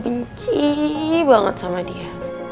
benci banget sama dia